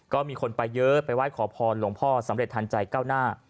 ก็มีคนไปเยอะไปไหว้ขอพรหลวงพ่อสำเร็จทันใจก้าวหน้า